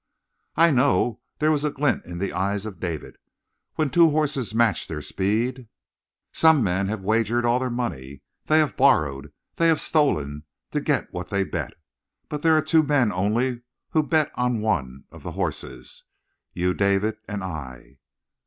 "I know." There was a glint in the eyes of David. "When two horses match their speed " "Some men have wagered all their money. They have borrowed, they have stolen, to get what they bet. But there are two men only who bet on one of the horses. You, David, and I!"